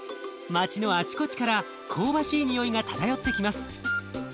街のあちこちから香ばしいにおいが漂ってきます。